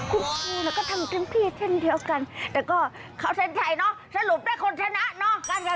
คุณครูก็ทำเต็มที่เช่นเดียวกันแต่ก็เขาเซ็นไทยสรุปได้คนชนะ